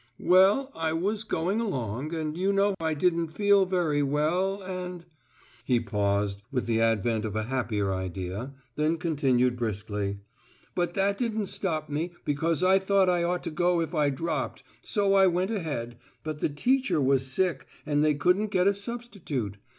"Well, I was going along, and you know I didn't feel very well and " He paused, with the advent of a happier idea, then continued briskly: "But that didn't stop me, because I thought I ought to go if I dropped, so I went ahead, but the teacher was sick and they couldn't get a substitute.